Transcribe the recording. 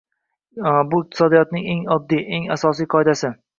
Bu iqtisodiyotning eng oddiy, asosiy qoidasi